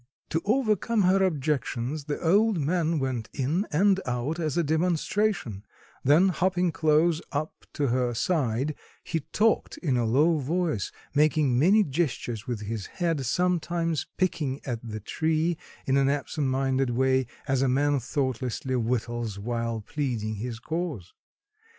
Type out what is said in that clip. To overcome her objections, the old man went in and out as a demonstration; then hopping close up to her side, he talked in a low voice, making many gestures with his head, sometimes picking at the tree in an absent minded way, as a man thoughtlessly whittles while pleading his cause.